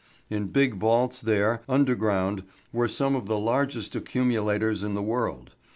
In big vaults there, underground, were some of the largest accumulators in the world.